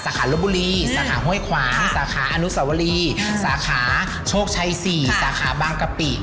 ขาลบบุรีสาขาห้วยขวางสาขาอนุสวรีสาขาโชคชัย๔สาขาบางกะปิ